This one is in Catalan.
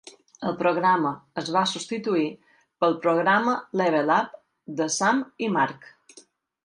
El programa es va substituir pel programa "Level Up" de Sam i Mark.